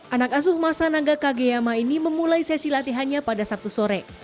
anak asuh masa naga kageyama ini memulai sesi latihannya pada sabtu sore